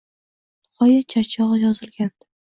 Nihoyat charchog‘i yozilgandi